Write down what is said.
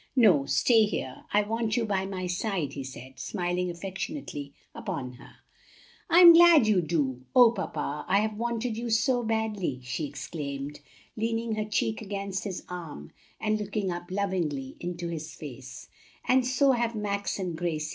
"No, stay here; I want you by my side," he said, smiling affectionately upon her. "I'm glad you do! O papa, I have wanted you so badly!" she exclaimed, leaning her cheek against his arm and looking up lovingly into his face, "and so have Max and Gracie.